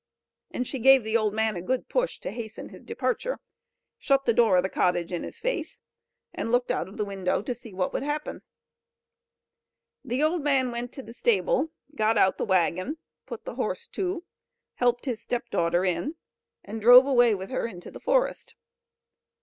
And she gave the old man a good push, to hasten his departure, shut the door of the cottage in his face, and looked out of the window to see what would happen. The old man went to the stable, got out the waggon, put the horse to, helped his stepdaughter in, and drove away with her into the forest.